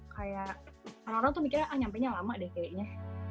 kayak orang orang tuh mikirnya ah nyampenya lama deh kayaknya